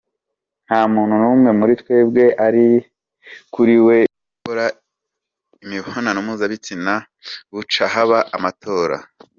"Nta muntu numwe muri twebwe arekuriwe gukora imibonano mpuzabitsina buca haba amatora".